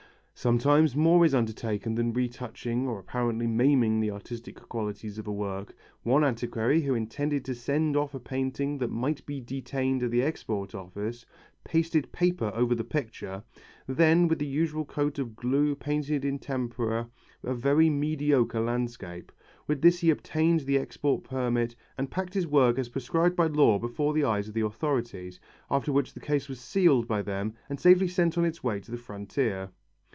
Sometimes more is undertaken than retouching or apparently maiming the artistic qualities of a work. One antiquary who intended to send off a painting that might be detained at the Export Office, pasted paper over the picture, and then after the usual coat of glue painted in tempera a very mediocre landscape. With this he obtained the export permit and packed his work as prescribed by law before the eyes of the authorities, after which the case was sealed by them and safely sent on its way to the frontier.